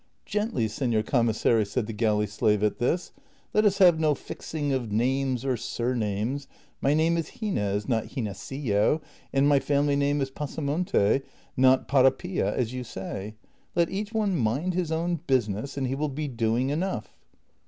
" Gently, seilor commissary," said the galley slave at this, " let us have no fixing of names or surnames ; my name is Gines, not Ginesillo, and my family name is Pasamonte, not Parapilla as you say ; let each one mind his own business, and he will be doing enough."